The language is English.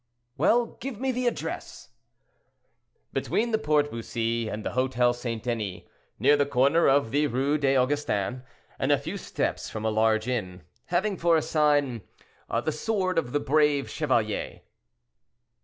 "Well, give me the address." "Between the Porte Bussy and the Hotel St. Denis, near the corner of the Rue des Augustins, and a few steps from a large inn, having for a sign, 'The Sword of the Brave Chevalier.'"